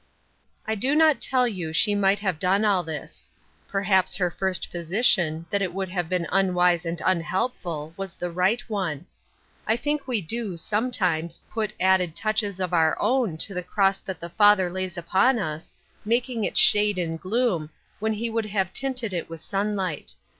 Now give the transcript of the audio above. I do not tell you she might have done all this. Perhaps her first position, that it would have been unwise and unhelpful, was the right one. /I think we do, sometimes, put added touches of I our own to the cross that the Father lays upon us, making it shade in gloom, when he would (have tinted it with the sunlight.